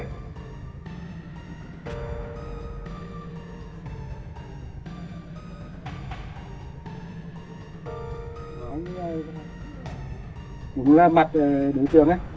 mặt đối tượng đang lấy chân